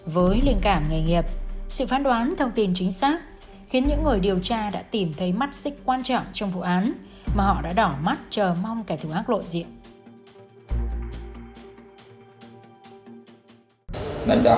với linh cảm nghề nghiệp sự phán đoán thông tin chính xác khiến những người điều tra đã tìm thấy mắt xích quan trọng trong vụ án mà họ đã đỏ mắt chờ mong kẻ thủ ác lộ diện